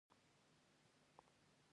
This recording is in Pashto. په دې کې بندونه او د اوبو چارې شاملې دي.